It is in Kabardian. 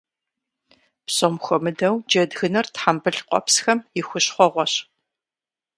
Псом хуэмыдэу, джэдгыныр тхьэмбыл къуэпсхэм и хущхъуэгъуэщ.